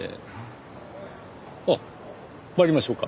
あっ参りましょうか。